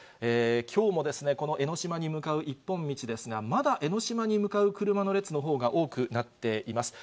きょうもこの江の島に向かう一本道ですが、まだ江の島に向かう車の列のほうが多くなっています。